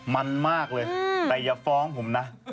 มันมากเลยแต่อย่าฟ้องผมนะ